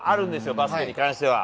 バスケに関しては。